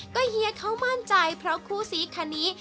ก็เฮียเขามั่นใจเพราะคู่ซีคันนี้